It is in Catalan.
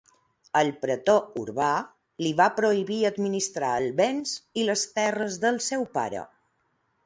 El pretor urbà li va prohibir administrar els béns i les terres del seu pare.